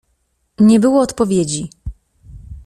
"Nie było odpowiedzi."